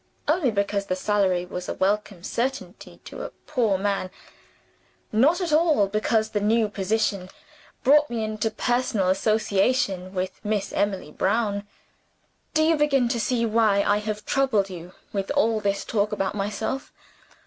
Only because the salary was a welcome certainty to a poor man not at all because the new position brought me into personal association with Miss Emily Brown! Do you begin to see why I have troubled you with all this talk about myself?